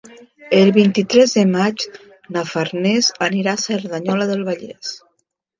El vint-i-tres de maig na Farners anirà a Cerdanyola del Vallès.